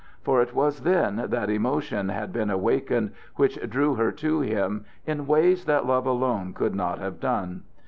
For it was then that emotions had been awakened which drew her to him in ways that love alone could not have done.